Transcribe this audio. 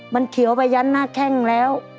มันเขียวไปยันหน้าแข้งแล้ว